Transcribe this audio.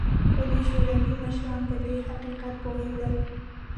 خو د شوروي مشران په دې حقیقت پوهېدل